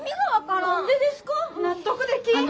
納得できん。